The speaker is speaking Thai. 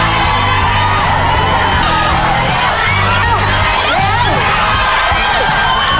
เย็นรัง